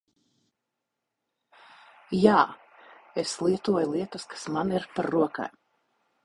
Jā, es lietoju lietas kas man ir pa rokai.